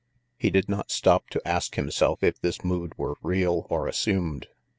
He did not stop to ask himself if this mood were real or assumed.